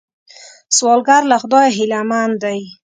سوالګر له خدایه هیلمن دی